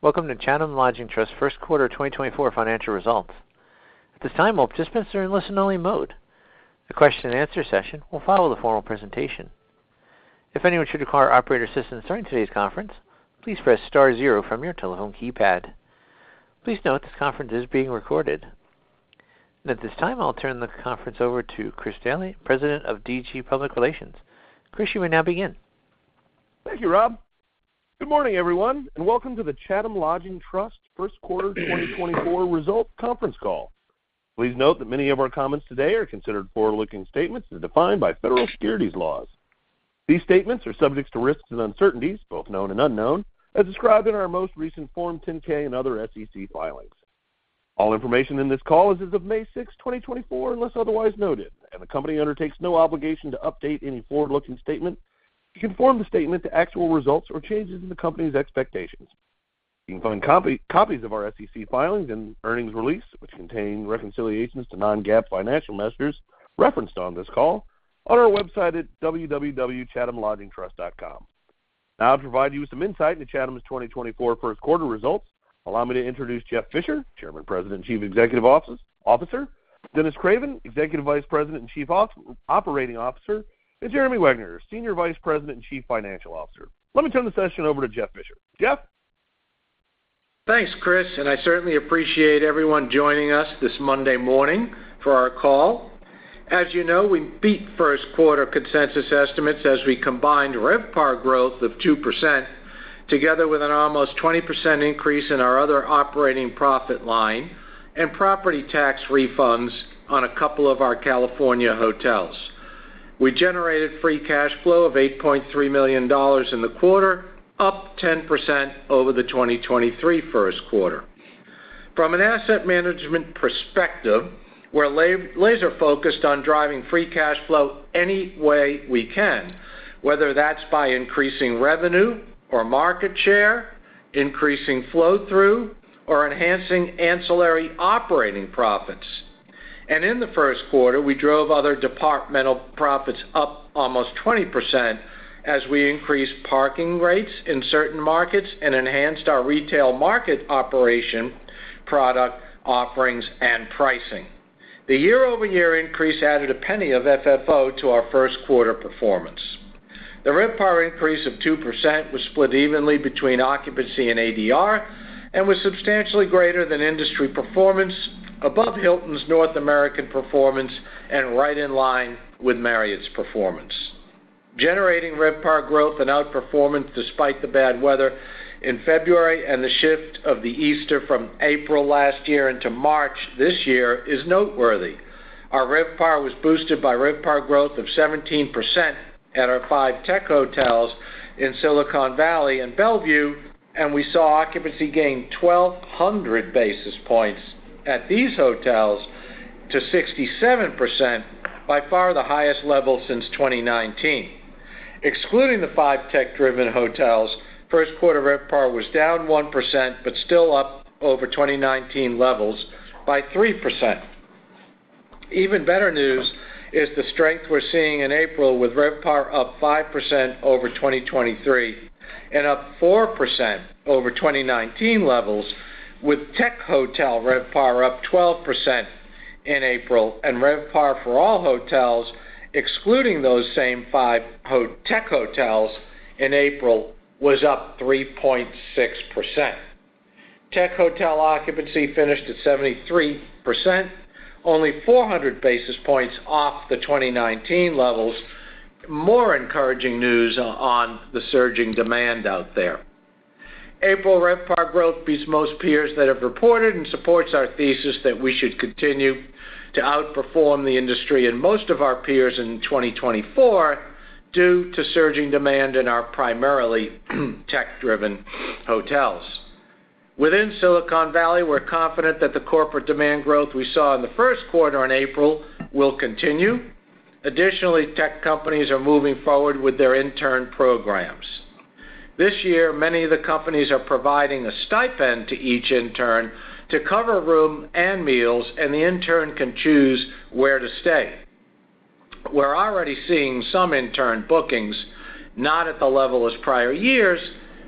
Welcome to Chatham Lodging Trust first quarter 2024 financial results. At this time, all participants are in listen-only mode. The question-and-answer session will follow the formal presentation. If anyone should require operator assistance during today's conference, please press star zero from your telephone keypad. Please note, this conference is being recorded. At this time, I'll turn the conference over to Chris Daly, President of DG Public Relations. Chris, you may now begin. Thank you, Rob. Good morning, everyone, and welcome to the Chatham Lodging Trust first quarter 2024 results conference call. Please note that many of our comments today are considered forward-looking statements as defined by federal securities laws. These statements are subject to risks and uncertainties, both known and unknown, as described in our most recent Form 10-K and other SEC filings. All information in this call is as of May 6, 2024, unless otherwise noted, and the company undertakes no obligation to update any forward-looking statement to conform the statement to actual results or changes in the company's expectations. You can find copies of our SEC filings and earnings release, which contain reconciliations to non-GAAP financial measures referenced on this call, on our website at www.chathamlodgingtrust.com. Now I'll provide you with some insight into Chatham's 2024 first quarter results. Allow me to introduce Jeff Fisher, Chairman, President, and Chief Executive Officer, Dennis Craven, Executive Vice President and Chief Operating Officer, and Jeremy Wegner, Senior Vice President and Chief Financial Officer. Let me turn the session over to Jeff Fisher. Jeff? Thanks, Chris, and I certainly appreciate everyone joining us this Monday morning for our call. As you know, we beat first quarter consensus estimates as we combined RevPAR growth of 2%, together with an almost 20% increase in our other operating profit line and property tax refunds on a couple of our California hotels. We generated free cash flow of $8.3 million in the quarter, up 10% over the 2023 first quarter. From an asset management perspective, we're laser focused on driving free cash flow any way we can, whether that's by increasing revenue or market share, increasing flow-through, or enhancing ancillary operating profits. And in the first quarter, we drove other departmental profits up almost 20% as we increased parking rates in certain markets and enhanced our retail market operation, product offerings, and pricing. The year-over-year increase added $0.01 of FFO to our first quarter performance. The RevPAR increase of 2% was split evenly between occupancy and ADR, and was substantially greater than industry performance, above Hilton's North American performance, and right in line with Marriott's performance. Generating RevPAR growth and outperformance despite the bad weather in February and the shift of the Easter from April last year into March this year is noteworthy. Our RevPAR was boosted by RevPAR growth of 17% at our 5 tech hotels in Silicon Valley and Bellevue, and we saw occupancy gain 1,200 basis points at these hotels to 67%, by far, the highest level since 2019. Excluding the 5 tech-driven hotels, first quarter RevPAR was down 1%, but still up over 2019 levels by 3%. Even better news is the strength we're seeing in April, with RevPAR up 5% over 2023 and up 4% over 2019 levels, with tech hotel RevPAR up 12% in April, and RevPAR for all hotels, excluding those same five high-tech hotels in April, was up 3.6%. Tech hotel occupancy finished at 73%, only 400 basis points off the 2019 levels. More encouraging news on the surging demand out there. April RevPAR growth beats most peers that have reported and supports our thesis that we should continue to outperform the industry and most of our peers in 2024 due to surging demand in our primarily tech-driven hotels. Within Silicon Valley, we're confident that the corporate demand growth we saw in the first quarter in April will continue. Additionally, tech companies are moving forward with their intern programs. This year, many of the companies are providing a stipend to each intern to cover room and meals, and the intern can choose where to stay. We're already seeing some intern bookings, not at the level as prior years,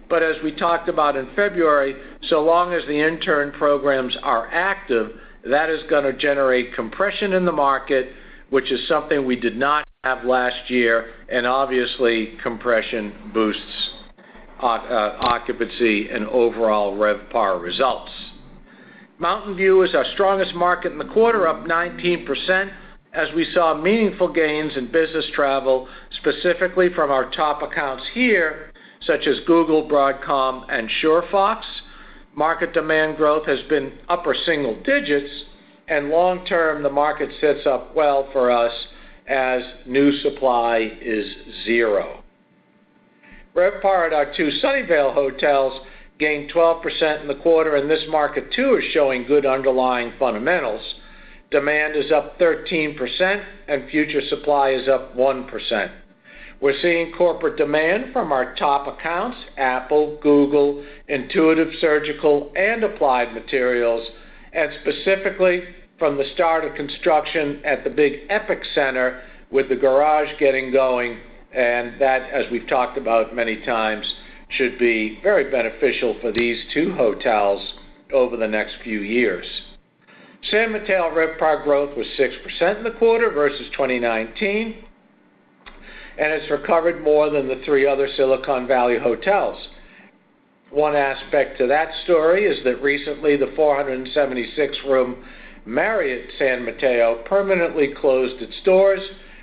but as we talked about in February, so long as the intern programs are active, that is going to generate compression in the market, which is something we did not have last year, and obviously, compression boosts occupancy and overall RevPAR results. Mountain View is our strongest market in the quarter, up 19%, as we saw meaningful gains in business travel, specifically from our top accounts here, such as Google, Broadcom, and Surefox. Market demand growth has been upper single digits, and long term, the market sets up well for us as new supply is zero. RevPAR at our two Sunnyvale hotels gained 12% in the quarter, and this market, too, is showing good underlying fundamentals. Demand is up 13%, and future supply is up 1%. We're seeing corporate demand from our top accounts, Apple, Google, Intuitive Surgical, and Applied Materials, and specifically from the start of construction at the big EPIC Center, with the garage getting going, and that, as we've talked about many times, should be very beneficial for these two hotels over the next few years. San Mateo RevPAR growth was 6% in the quarter versus 2019, and it's recovered more than the three other Silicon Valley hotels. One aspect to that story is that recently, the 476-room Marriott San Mateo permanently closed its doors,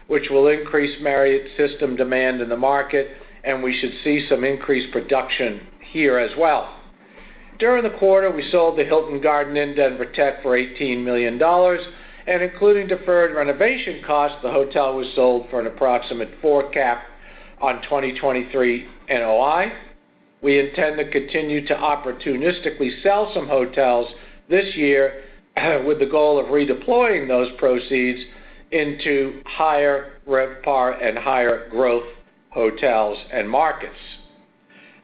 which will increase Marriott system demand in the market, and we should see some increased production here as well. During the quarter, we sold the Hilton Garden Inn Denver Tech for $18 million, and including deferred renovation costs, the hotel was sold for an approximate four cap on 2023 NOI. We intend to continue to opportunistically sell some hotels this year, with the goal of redeploying those proceeds into higher RevPAR and higher growth hotels and markets.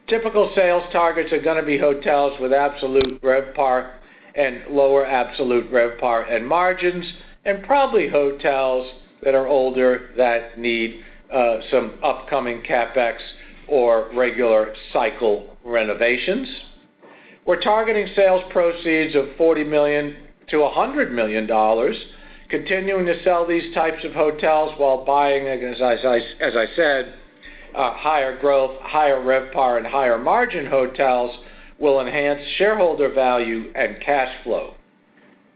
Typical sales targets are going to be hotels with absolute RevPAR and lower absolute RevPAR and margins, and probably hotels that are older that need some upcoming CapEx or regular cycle renovations. We're targeting sales proceeds of $40 million-$100 million, continuing to sell these types of hotels while buying, as I said, higher growth, higher RevPAR, and higher-margin hotels will enhance shareholder value and cash flow.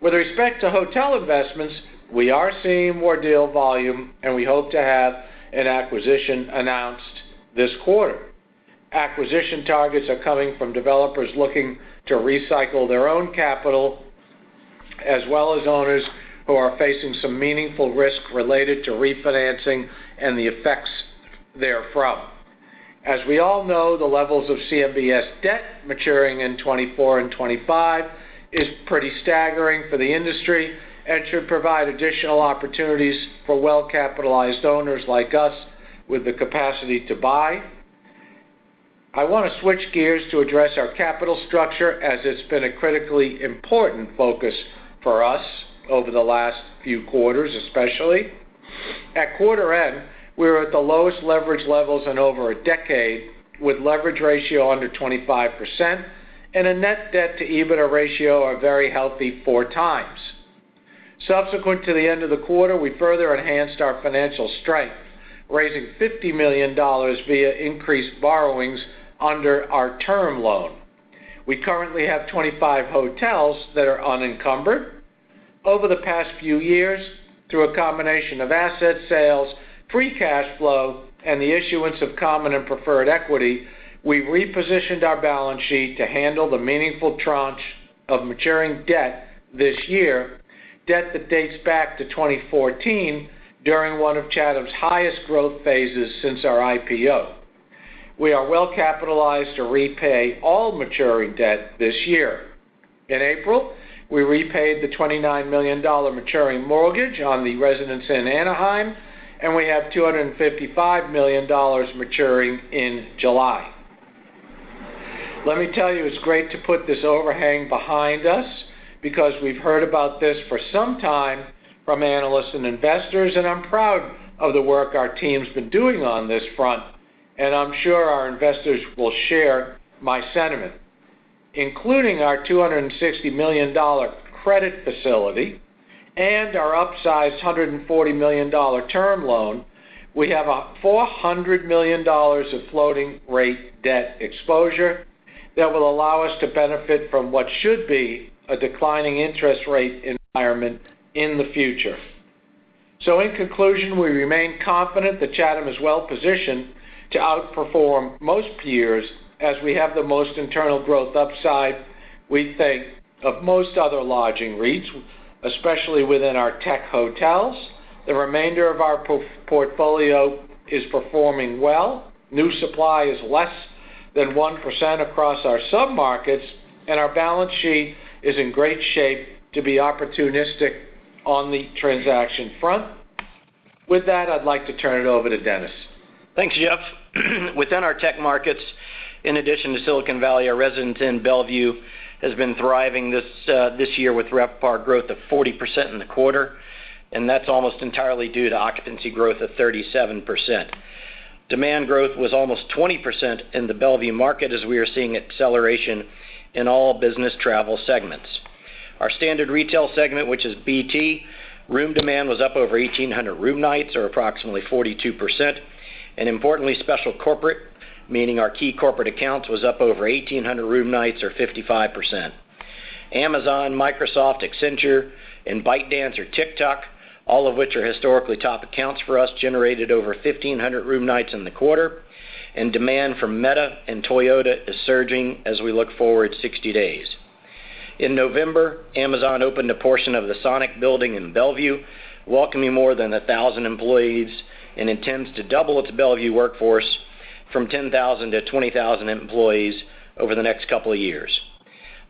With respect to hotel investments, we are seeing more deal volume, and we hope to have an acquisition announced this quarter. Acquisition targets are coming from developers looking to recycle their own capital, as well as owners who are facing some meaningful risk related to refinancing and the effects therefrom. As we all know, the levels of CMBS debt maturing in 2024 and 2025 is pretty staggering for the industry and should provide additional opportunities for well-capitalized owners like us with the capacity to buy. I want to switch gears to address our capital structure, as it's been a critically important focus for us over the last few quarters, especially. At quarter end, we were at the lowest leverage levels in over a decade, with leverage ratio under 25% and a net debt to EBITDA ratio are a very healthy 4x. Subsequent to the end of the quarter, we further enhanced our financial strength, raising $50 million via increased borrowings under our term loan. We currently have 25 hotels that are unencumbered. Over the past few years, through a combination of asset sales, free cash flow, and the issuance of common and preferred equity, we repositioned our balance sheet to handle the meaningful tranche of maturing debt this year, debt that dates back to 2014, during one of Chatham's highest growth phases since our IPO. We are well capitalized to repay all maturing debt this year. In April, we repaid the $29 million maturing mortgage on the Residence Inn Anaheim, and we have $255 million maturing in July. Let me tell you, it's great to put this overhang behind us because we've heard about this for some time from analysts and investors, and I'm proud of the work our team's been doing on this front, and I'm sure our investors will share my sentiment. Including our $260 million credit facility and our upsized $140 million term loan, we have $400 million of floating rate debt exposure that will allow us to benefit from what should be a declining interest rate environment in the future. So in conclusion, we remain confident that Chatham is well positioned to outperform most peers, as we have the most internal growth upside, we think, of most other lodging REITs, especially within our tech hotels. The remainder of our portfolio is performing well. New supply is less than 1% across our submarkets, and our balance sheet is in great shape to be opportunistic on the transaction front. With that, I'd like to turn it over to Dennis. Thanks, Jeff. Within our tech markets, in addition to Silicon Valley, our Residence Inn Bellevue has been thriving this year with RevPAR growth of 40% in the quarter, and that's almost entirely due to occupancy growth of 37%. Demand growth was almost 20% in the Bellevue market, as we are seeing acceleration in all business travel segments. Our standard retail segment, which is BT, room demand was up over 1,800 room nights, or approximately 42%. And importantly, special corporate, meaning our key corporate accounts, was up over 1,800 room nights or 55%. Amazon, Microsoft, Accenture, and ByteDance or TikTok, all of which are historically top accounts for us, generated over 1,500 room nights in the quarter, and demand from Meta and Toyota is surging as we look forward 60 days. In November, Amazon opened a portion of the Sonic building in Bellevue, welcoming more than 1,000 employees, and intends to double its Bellevue workforce from 10,000 to 20,000 employees over the next couple of years.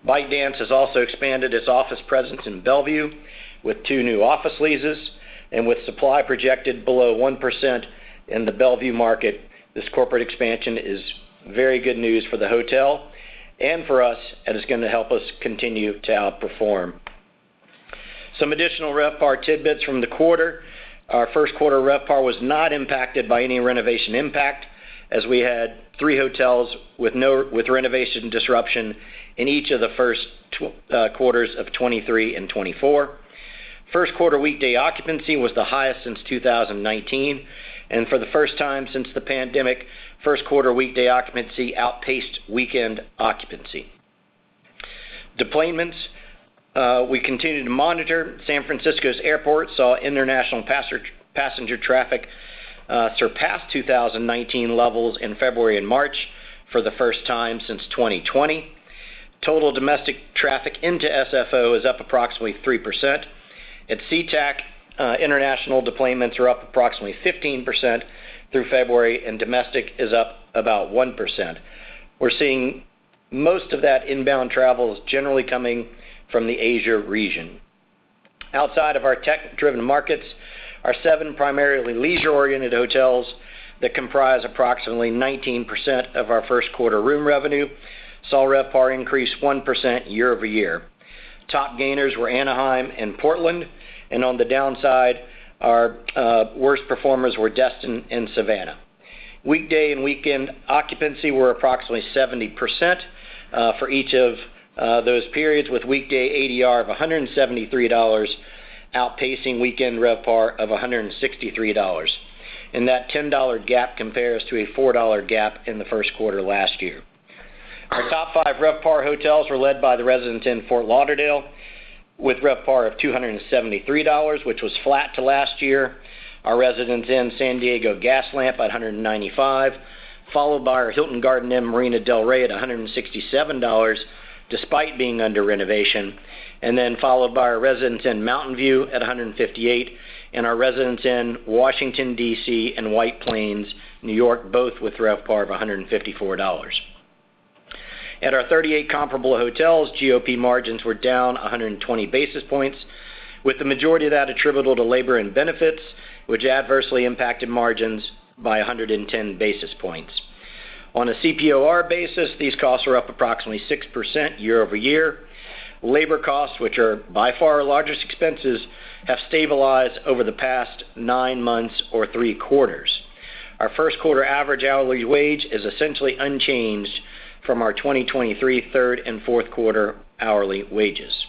ByteDance has also expanded its office presence in Bellevue with two new office leases, and with supply projected below 1% in the Bellevue market, this corporate expansion is very good news for the hotel and for us, and it's going to help us continue to outperform. Some additional RevPAR tidbits from the quarter:... Our first quarter RevPAR was not impacted by any renovation impact, as we had 3 hotels with no renovation disruption in each of the first two quarters of 2023 and 2024. First quarter weekday occupancy was the highest since 2019, and for the first time since the pandemic, first quarter weekday occupancy outpaced weekend occupancy. Deplanements, we continued to monitor. San Francisco's airport saw international passenger traffic surpass 2019 levels in February and March for the first time since 2020. Total domestic traffic into SFO is up approximately 3%. At Sea-Tac, international deplanements are up approximately 15% through February, and domestic is up about 1%. We're seeing most of that inbound travel is generally coming from the Asia region. Outside of our tech-driven markets, our seven primarily leisure-oriented hotels that comprise approximately 19% of our first quarter room revenue, saw RevPAR increase 1% year-over-year. Top gainers were Anaheim and Portland, and on the downside, our worst performers were Destin and Savannah. Weekday and weekend occupancy were approximately 70%, for each of those periods, with weekday ADR of $173, outpacing weekend RevPAR of $163. That $10 gap compares to a $4 gap in the first quarter last year. Our top five RevPAR hotels were led by the Residence Inn Fort Lauderdale, with RevPAR of $273, which was flat to last year. Our Residence Inn San Diego Gaslamp, at $195, followed by our Hilton Garden Inn Marina del Rey at $167, despite being under renovation, and then followed by our Residence Inn Mountain View at $158, and our Residence Inn Washington, D.C., and White Plains, New York, both with RevPAR of $154. At our 38 comparable hotels, GOP margins were down 120 basis points, with the majority of that attributable to labor and benefits, which adversely impacted margins by 110 basis points. On a CPOR basis, these costs are up approximately 6% year-over-year. Labor costs, which are by far our largest expenses, have stabilized over the past 9 months or 3 quarters. Our first quarter average hourly wage is essentially unchanged from our 2023 third and fourth quarter hourly wages.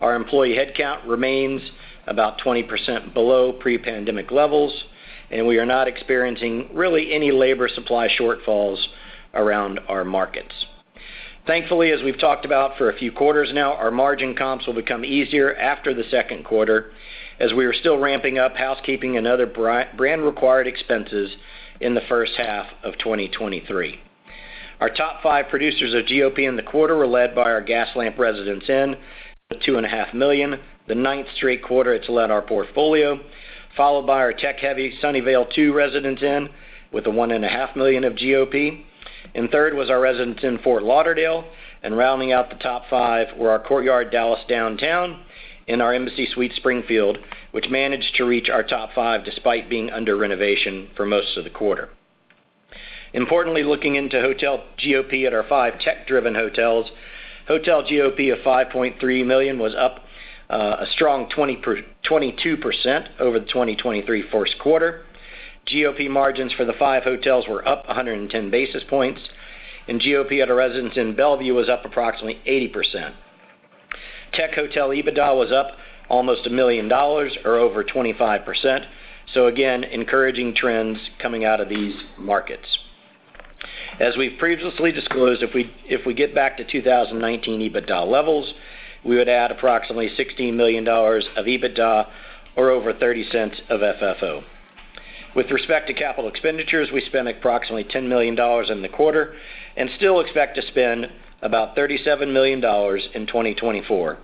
Our employee headcount remains about 20% below pre-pandemic levels, and we are not experiencing really any labor supply shortfalls around our markets. Thankfully, as we've talked about for a few quarters now, our margin comps will become easier after the second quarter, as we are still ramping up housekeeping and other brand-required expenses in the first half of 2023. Our top five producers of GOP in the quarter were led by our Gaslamp Residence Inn, at $2.5 million, the ninth straight quarter it's led our portfolio, followed by our tech-heavy Sunnyvale II Residence Inn, with $1.5 million of GOP. And third was our Residence Inn, Fort Lauderdale, and rounding out the top five were our Courtyard Dallas Downtown and our Embassy Suites Springfield, which managed to reach our top five despite being under renovation for most of the quarter. Importantly, looking into hotel GOP at our five tech-driven hotels, hotel GOP of $5.3 million was up a strong 22% over the 2023 first quarter. GOP margins for the five hotels were up 110 basis points, and GOP at a Residence Inn Bellevue was up approximately 80%. Tech hotel EBITDA was up almost $1 million or over 25%. So again, encouraging trends coming out of these markets. As we've previously disclosed, if we get back to 2019 EBITDA levels, we would add approximately $16 million of EBITDA or over 30 cents of FFO. With respect to capital expenditures, we spent approximately $10 million in the quarter and still expect to spend about $37 million in 2024.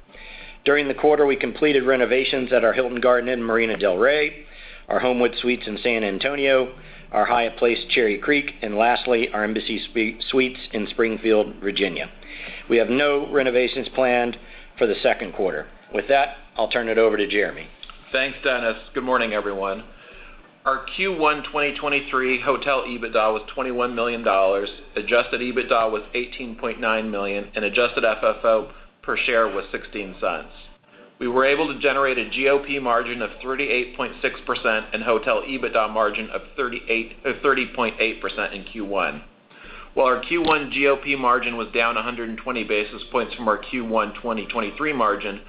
During the quarter, we completed renovations at our Hilton Garden Inn Marina del Rey, our Homewood Suites in San Antonio, our Hyatt Place Cherry Creek, and lastly, our Embassy Suites in Springfield, Virginia. We have no renovations planned for the second quarter. With that, I'll turn it over to Jeremy. Thanks, Dennis. Good morning, everyone. Our Q1 2023 hotel EBITDA was $21 million, adjusted EBITDA was $18.9 million, and adjusted FFO per share was $0.16. We were able to generate a GOP margin of 38.6% and hotel EBITDA margin of 30.8% in Q1. While our Q1 GOP margin was down 120 basis points from our Q1 2023 margin,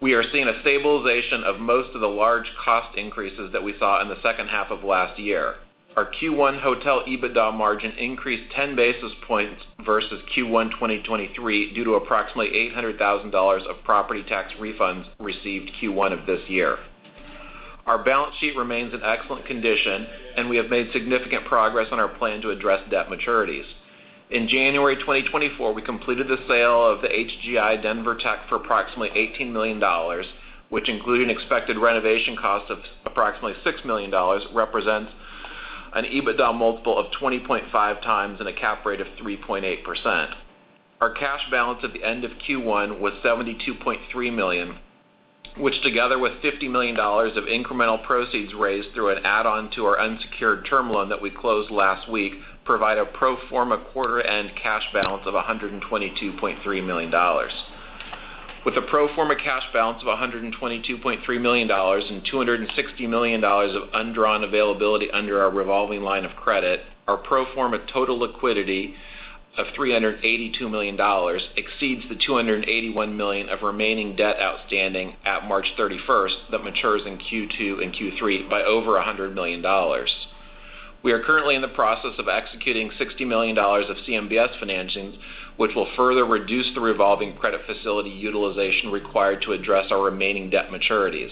we are seeing a stabilization of most of the large cost increases that we saw in the second half of last year. Our Q1 hotel EBITDA margin increased 10 basis points versus Q1 2023 due to approximately $800,000 of property tax refunds received Q1 of this year. Our balance sheet remains in excellent condition, and we have made significant progress on our plan to address debt maturities. In January 2024, we completed the sale of the HGI Denver Tech Center for approximately $18 million, which, including expected renovation costs of approximately $6 million, represents an EBITDA multiple of 20.5x and a cap rate of 3.8%. Our cash balance at the end of Q1 was $72.3 million, which together with $50 million of incremental proceeds raised through an add-on to our unsecured term loan that we closed last week, provide a pro forma quarter-end cash balance of $122.3 million. ...With a pro forma cash balance of $122.3 million and $260 million of undrawn availability under our revolving line of credit, our pro forma total liquidity of $382 million exceeds the $281 million of remaining debt outstanding at March 31, that matures in Q2 and Q3 by over $100 million. We are currently in the process of executing $60 million of CMBS financing, which will further reduce the revolving credit facility utilization required to address our remaining debt maturities.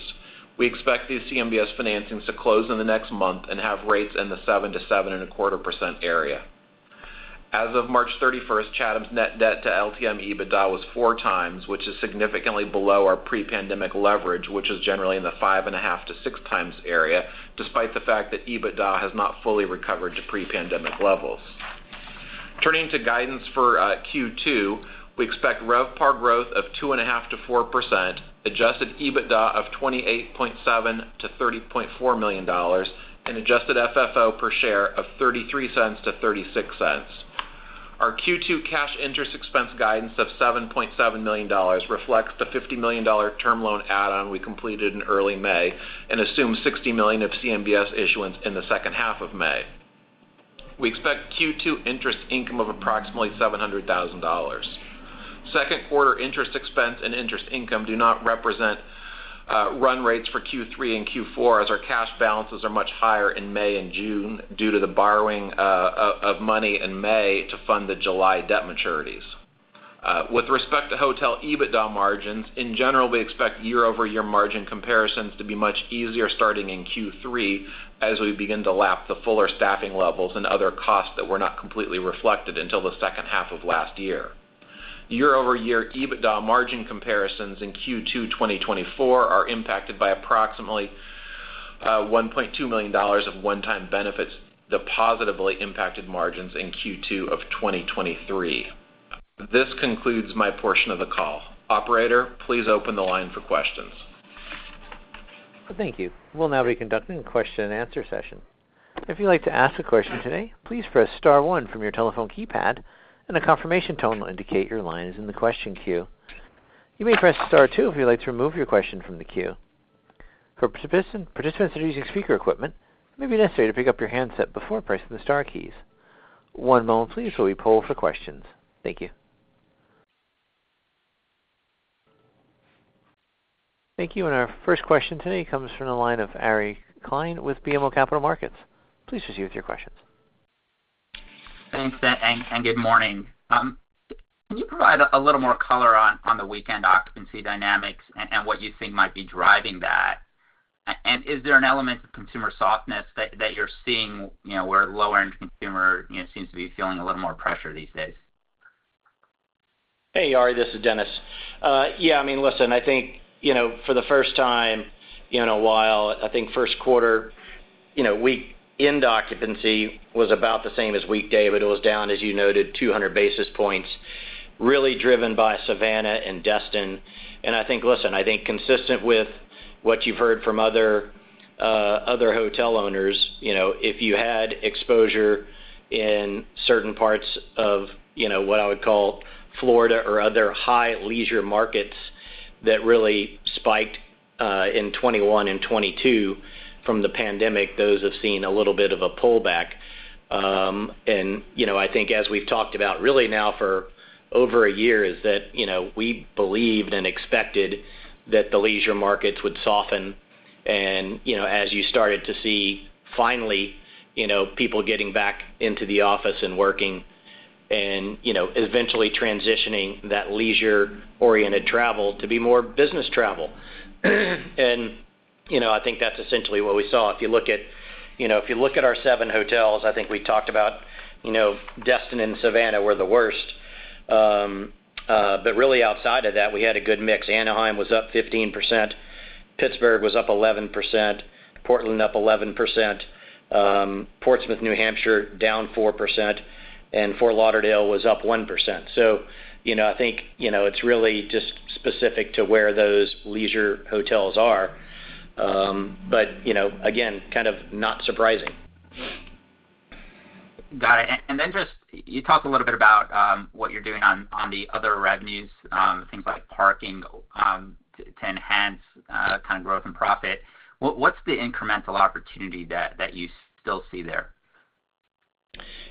We expect these CMBS financings to close in the next month and have rates in the 7%-7.25% area. As of March 31st, Chatham's net debt to LTM EBITDA was 4x, which is significantly below our pre-pandemic leverage, which is generally in the 5.5x-6x area, despite the fact that EBITDA has not fully recovered to pre-pandemic levels. Turning to guidance for Q2, we expect RevPAR growth of 2.5%-4%, adjusted EBITDA of $28.7 million-$30.4 million, and adjusted FFO per share of $0.33-$0.36. Our Q2 cash interest expense guidance of $7.7 million reflects the $50 million term loan add-on we completed in early May and assumes $60 million of CMBS issuance in the second half of May. We expect Q2 interest income of approximately $700,000. Second quarter interest expense and interest income do not represent run rates for Q3 and Q4, as our cash balances are much higher in May and June due to the borrowing of money in May to fund the July debt maturities. With respect to hotel EBITDA margins, in general, we expect year-over-year margin comparisons to be much easier starting in Q3 as we begin to lap the fuller staffing levels and other costs that were not completely reflected until the second half of last year. Year-over-year EBITDA margin comparisons in Q2 2024 are impacted by approximately $1.2 million of one-time benefits that positively impacted margins in Q2 of 2023. This concludes my portion of the call. Operator, please open the line for questions. Thank you. We'll now be conducting a question-and-answer session. If you'd like to ask a question today, please press star one from your telephone keypad, and a confirmation tone will indicate your line is in the question queue. You may press star two if you'd like to remove your question from the queue. For participants, participants who are using speaker equipment, it may be necessary to pick up your handset before pressing the star keys. One moment, please, while we poll for questions. Thank you. Thank you. Our first question today comes from the line of Ari Klein with BMO Capital Markets. Please proceed with your questions. Thanks, good morning. Can you provide a little more color on the weekend occupancy dynamics and what you think might be driving that? And is there an element of consumer softness that you're seeing, you know, where lower-end consumer, you know, seems to be feeling a little more pressure these days? Hey, Ari, this is Dennis. Yeah, I mean, listen, I think, you know, for the first time in a while, I think first quarter, you know, weekend occupancy was about the same as weekday, but it was down, as you noted, 200 basis points, really driven by Savannah and Destin. And I think... Listen, I think consistent with what you've heard from other, other hotel owners, you know, if you had exposure in certain parts of, you know, what I would call Florida or other high leisure markets that really spiked, in 2021 and 2022 from the pandemic, those have seen a little bit of a pullback. And, you know, I think as we've talked about really now for over a year, is that, you know, we believed and expected that the leisure markets would soften. You know, as you started to see, finally, you know, people getting back into the office and working and, you know, eventually transitioning that leisure-oriented travel to be more business travel. You know, I think that's essentially what we saw. If you look at, you know, if you look at our seven hotels, I think we talked about, you know, Destin and Savannah were the worst. But really, outside of that, we had a good mix. Anaheim was up 15%, Pittsburgh was up 11%, Portland up 11%, Portsmouth, New Hampshire, down 4%, and Fort Lauderdale was up 1%. You know, I think, you know, it's really just specific to where those leisure hotels are. But, you know, again, kind of not surprising. Got it. And then just, you talked a little bit about what you're doing on the other revenues, things like parking, to enhance kind of growth and profit. What's the incremental opportunity that you still see there?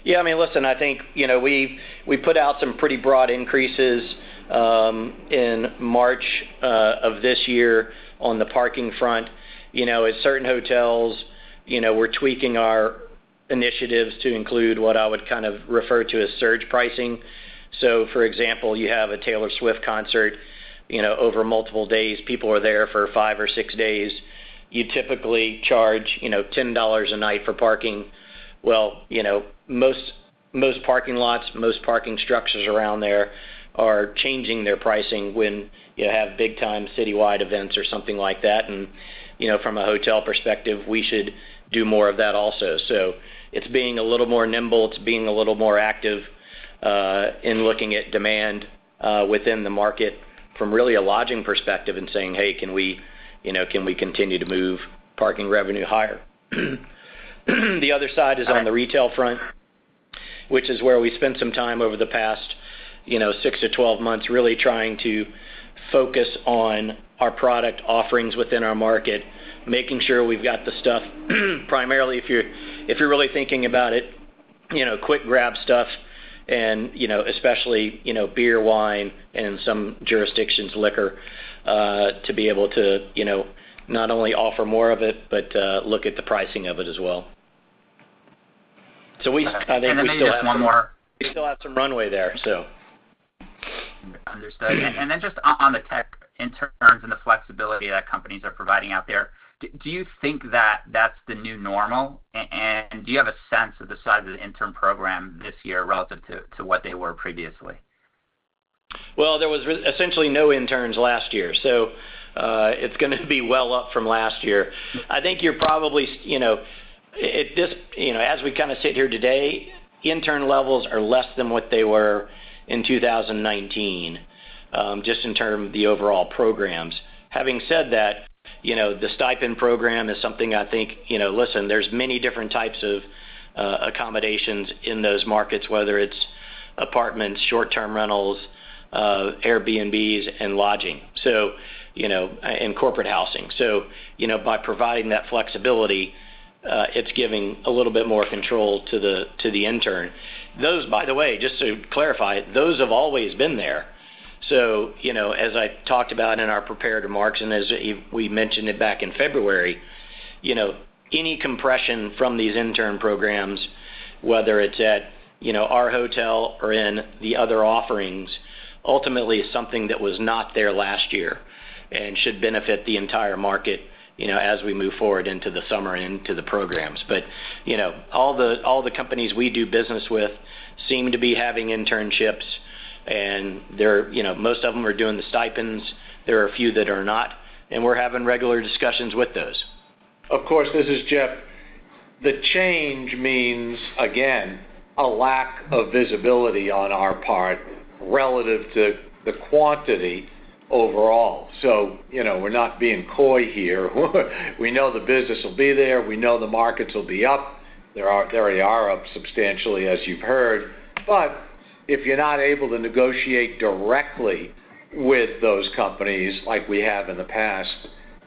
Yeah, I mean, listen, I think, you know, we, we put out some pretty broad increases in March of this year on the parking front. You know, at certain hotels, you know, we're tweaking our initiatives to include what I would kind of refer to as surge pricing. So, for example, you have a Taylor Swift concert, you know, over multiple days. People are there for five or six days. You typically charge, you know, $10 a night for parking. Well, you know, most, most parking lots, most parking structures around there are changing their pricing when you have big-time citywide events or something like that. And, you know, from a hotel perspective, we should do more of that also. So it's being a little more nimble. It's being a little more active in looking at demand within the market from really a lodging perspective and saying, "Hey, can we, you know, can we continue to move parking revenue higher?" The other side is on the retail front, which is where we spent some time over the past, you know, six to 12 months, really trying to focus on our product offerings within our market, making sure we've got the stuff, primarily, if you're, if you're really thinking about it, you know, quick grab stuff and, you know, especially, you know, beer, wine, and some jurisdictions, liquor, to be able to, you know, not only offer more of it, but look at the pricing of it as well. So we- And then maybe just one more. We still have some runway there, so. Understood. And then just on the tech interns and the flexibility that companies are providing out there, do you think that that's the new normal? And do you have a sense of the size of the intern program this year relative to what they were previously? Well, there was essentially no interns last year, so it's gonna be well up from last year. I think you're probably, you know, just, you know, as we kind of sit here today, intern levels are less than what they were in 2019, just in terms of the overall programs. Having said that, you know, the stipend program is something I think, you know. Listen, there's many different types of accommodations in those markets, whether it's apartments, short-term rentals, Airbnbs, and lodging, so, you know, and corporate housing. So, you know, by providing that flexibility, it's giving a little bit more control to the intern. Those, by the way, just to clarify, those have always been there. So, you know, as I talked about in our prepared remarks, and as we mentioned it back in February, you know, any compression from these intern programs, whether it's at, you know, our hotel or in the other offerings, ultimately, is something that was not there last year and should benefit the entire market, you know, as we move forward into the summer and into the programs. But, you know, all the companies we do business with seem to be having internships, and they're—you know, most of them are doing the stipends. There are a few that are not, and we're having regular discussions with those. Of course, this is Jeff. The change means, again, a lack of visibility on our part relative to the quantity overall. So, you know, we're not being coy here. We know the business will be there. We know the markets will be up. They are. They already are up substantially, as you've heard. But if you're not able to negotiate directly with those companies like we have in the past,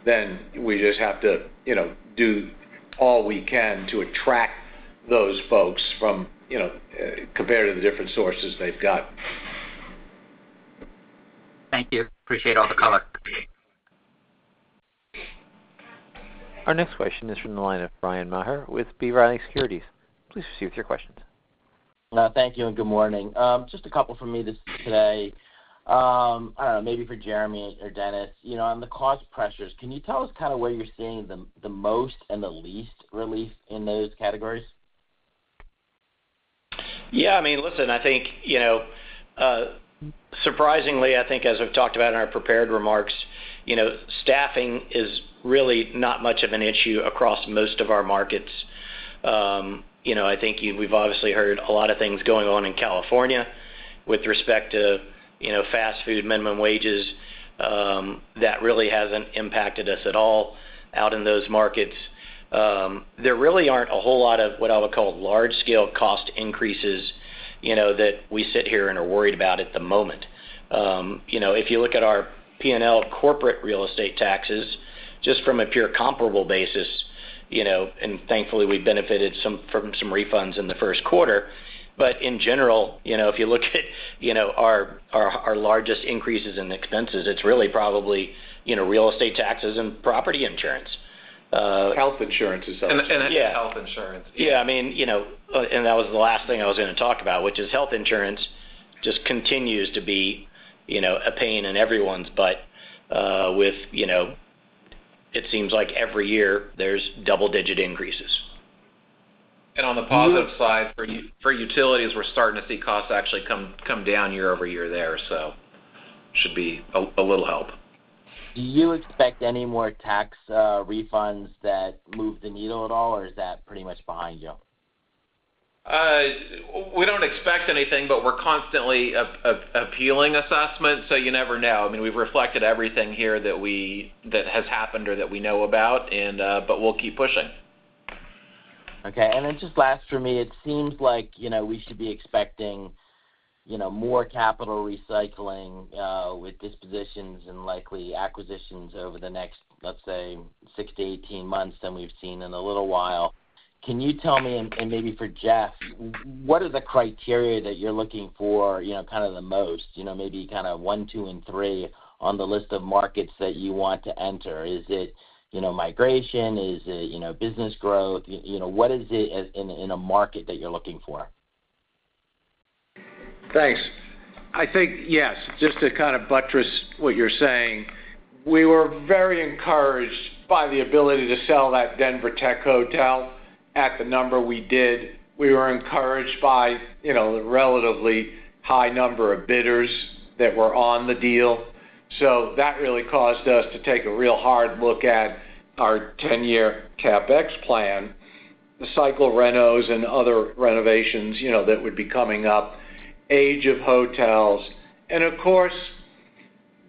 then we just have to, you know, do all we can to attract those folks from, you know, compared to the different sources they've got. Thank you. Appreciate all the color. Our next question is from the line of Bryan Maher with B. Riley Securities. Please proceed with your questions. Thank you, and good morning. Just a couple from me just today. I don't know, maybe for Jeremy or Dennis. You know, on the cost pressures, can you tell us kind of where you're seeing the, the most and the least relief in those categories? Yeah, I mean, listen, I think, you know, surprisingly, I think as we've talked about in our prepared remarks, you know, staffing is really not much of an issue across most of our markets. You know, I think we've obviously heard a lot of things going on in California with respect to, you know, fast food minimum wages. That really hasn't impacted us at all out in those markets. There really aren't a whole lot of what I would call large-scale cost increases, you know, that we sit here and are worried about at the moment. You know, if you look at our P&L corporate real estate taxes, just from a pure comparable basis, you know, and thankfully, we benefited some from some refunds in the first quarter. In general, you know, if you look at, you know, our largest increases in expenses, it's really probably, you know, real estate taxes and property insurance. Health insurance is also- Yeah. Health insurance. Yeah, I mean, you know, and that was the last thing I was gonna talk about, which is health insurance just continues to be, you know, a pain in everyone's butt, with, you know, it seems like every year, there's double-digit increases. Do you- On the positive side, for utilities, we're starting to see costs actually come down year-over-year there, so should be a little help. Do you expect any more tax refunds that move the needle at all, or is that pretty much behind you? We don't expect anything, but we're constantly appealing assessments, so you never know. I mean, we've reflected everything here that has happened or that we know about, and but we'll keep pushing. Okay. And then just last for me, it seems like, you know, we should be expecting, you know, more capital recycling with dispositions and likely acquisitions over the next, let's say, 6-18 months than we've seen in a little while. Can you tell me, and maybe for Jeff, what are the criteria that you're looking for, you know, kind of the most? You know, maybe kind of 1, 2, and 3 on the list of markets that you want to enter. Is it, you know, migration? Is it, you know, business growth? You know, what is it in a market that you're looking for? Thanks. I think, yes, just to kind of buttress what you're saying, we were very encouraged by the ability to sell that Denver Tech Center hotel at the number we did. We were encouraged by, you know, the relatively high number of bidders that were on the deal. So that really caused us to take a real hard look at our ten-year CapEx plan, the cycle renos and other renovations, you know, that would be coming up, age of hotels, and of course,...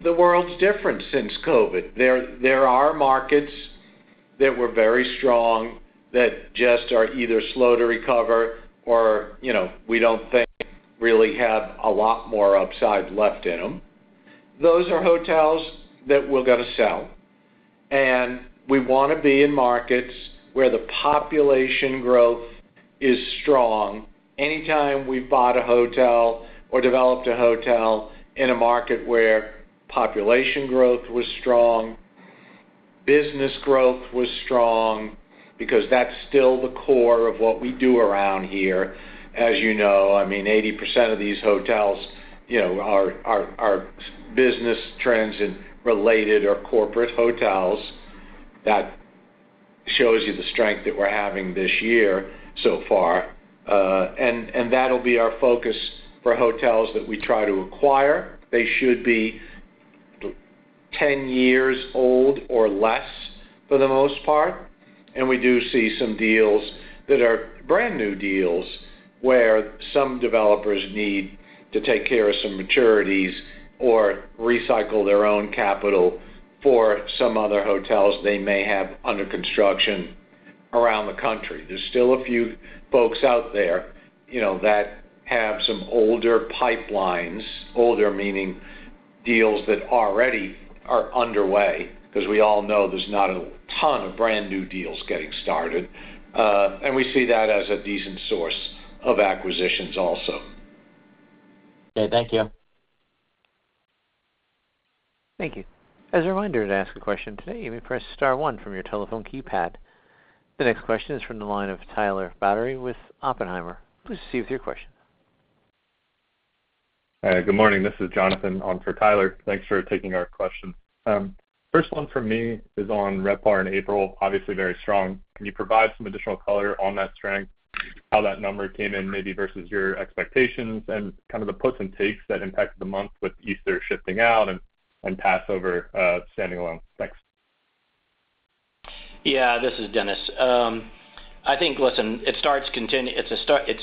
The world's different since COVID. There are markets that were very strong that just are either slow to recover or, you know, we don't think really have a lot more upside left in them. Those are hotels that we're gonna sell, and we wanna be in markets where the population growth is strong. Anytime we bought a hotel or developed a hotel in a market where population growth was strong, business growth was strong, because that's still the core of what we do around here. As you know, I mean, 80% of these hotels, you know, are business transient and related or corporate hotels. That shows you the strength that we're having this year so far, and that'll be our focus for hotels that we try to acquire. They should be ten years old or less, for the most part, and we do see some deals that are brand-new deals, where some developers need to take care of some maturities or recycle their own capital for some other hotels they may have under construction around the country. There's still a few folks out there, you know, that have some older pipelines, older meaning deals that already are underway, 'cause we all know there's not a ton of brand-new deals getting started. And we see that as a decent source of acquisitions also. Okay, thank you. Thank you. As a reminder, to ask a question today, you may press star one from your telephone keypad. The next question is from the line of Tyler Batory with Oppenheimer. Please proceed with your question. Hi, good morning. This is Jonathan on for Tyler. Thanks for taking our question. First one from me is on RevPAR in April, obviously very strong. Can you provide some additional color on that strength, how that number came in, maybe versus your expectations, and kind of the puts and takes that impacted the month with Easter shifting out and, and Passover, standing alone? Thanks. Yeah, this is Dennis. I think, listen, it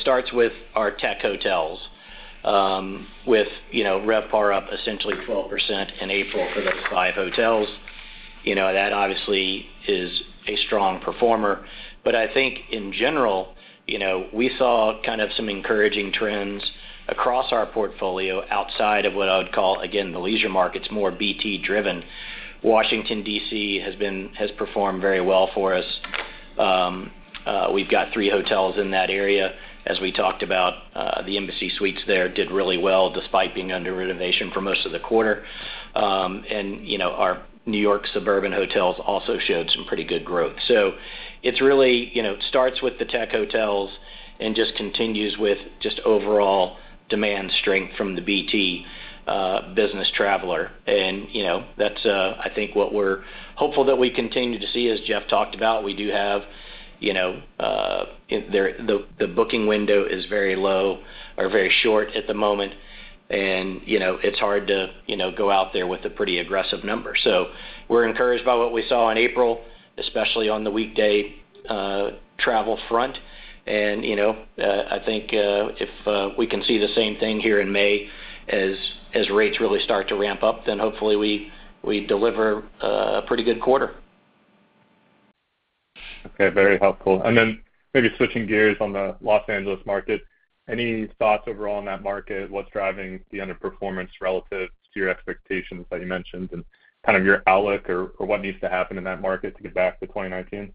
starts with our tech hotels, you know, RevPAR up essentially 12% in April for those five hotels. You know, that obviously is a strong performer. But I think in general, you know, we saw kind of some encouraging trends across our portfolio outside of what I would call, again, the leisure markets, more BT-driven. Washington, D.C., has performed very well for us. We've got three hotels in that area. As we talked about, the Embassy Suites there did really well, despite being under renovation for most of the quarter. And, you know, our New York suburban hotels also showed some pretty good growth. So it's really, you know, starts with the tech hotels and just continues with just overall demand strength from the BT, business traveler. And, you know, that's, I think, what we're hopeful that we continue to see. As Jeff talked about, we do have, you know, the booking window is very low or very short at the moment, and, you know, it's hard to, you know, go out there with a pretty aggressive number. So we're encouraged by what we saw in April, especially on the weekday travel front. And, you know, I think, if we can see the same thing here in May as rates really start to ramp up, then hopefully we deliver a pretty good quarter. Okay, very helpful. Maybe switching gears on the Los Angeles market, any thoughts overall on that market? What's driving the underperformance relative to your expectations that you mentioned, and kind of your outlook or, or what needs to happen in that market to get back to 2019?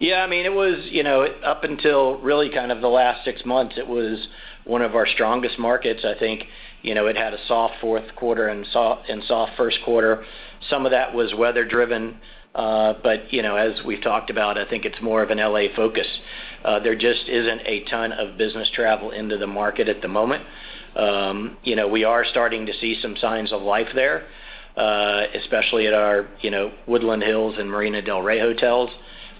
Yeah, I mean, it was, you know, up until really kind of the last six months, it was one of our strongest markets. I think, you know, it had a soft fourth quarter and soft first quarter. Some of that was weather driven, but, you know, as we've talked about, I think it's more of an L.A. focus. There just isn't a ton of business travel into the market at the moment. You know, we are starting to see some signs of life there, especially at our, you know, Woodland Hills and Marina del Rey hotels.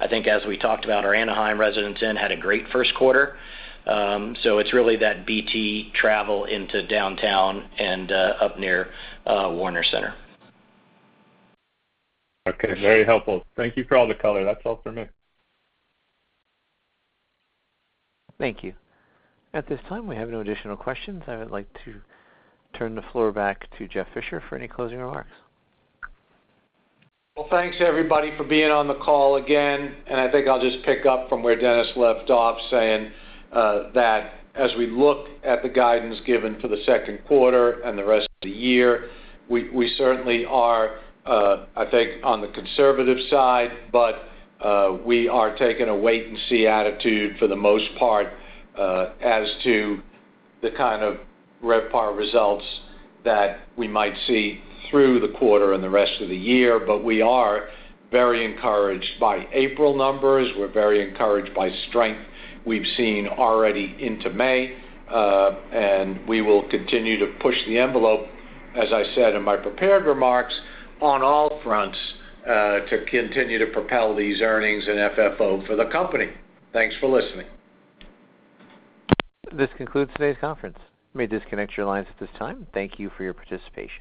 I think as we talked about, our Anaheim Residence Inn had a great first quarter, so it's really that BT travel into downtown and up near Warner Center. Okay, very helpful. Thank you for all the color. That's all for me. Thank you. At this time, we have no additional questions. I would like to turn the floor back to Jeff Fisher for any closing remarks. Well, thanks, everybody, for being on the call again. I think I'll just pick up from where Dennis left off, saying, that as we look at the guidance given for the second quarter and the rest of the year, we, we certainly are, I think, on the conservative side. We are taking a wait and see attitude for the most part, as to the kind of RevPAR results that we might see through the quarter and the rest of the year. We are very encouraged by April numbers. We're very encouraged by strength we've seen already into May, and we will continue to push the envelope, as I said in my prepared remarks, on all fronts, to continue to propel these earnings in FFO for the company. Thanks for listening. This concludes today's conference. You may disconnect your lines at this time. Thank you for your participation.